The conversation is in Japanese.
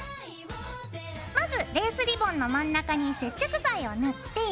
まずレースリボンの真ん中に接着剤を塗って。